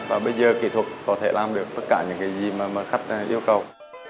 và bây giờ kỹ thuật có thể làm được tất cả những cái gì mà khách yêu cầu